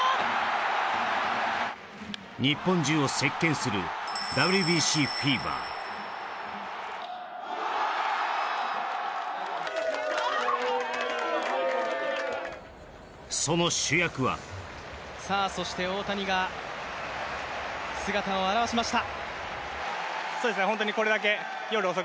日本中を席巻するＷＢＣフィーバーその主役はさあそして大谷が姿を現しました。